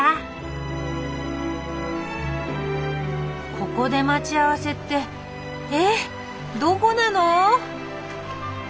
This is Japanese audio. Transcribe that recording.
ここで待ち合わせってえっどこなの？